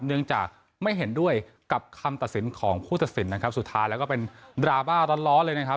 เนื่องจากไม่เห็นด้วยกับคำตัดสินของผู้ตัดสินนะครับสุดท้ายแล้วก็เป็นดราม่าร้อนร้อนเลยนะครับ